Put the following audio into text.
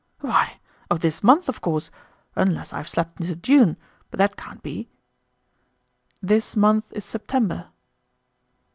"Why, of this month, of course, unless I have slept into June, but that can't be." "This month is September."